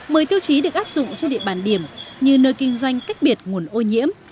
mười tiêu chí được áp dụng trên địa bàn điểm như nơi kinh doanh cách biệt nguồn ô nhiễm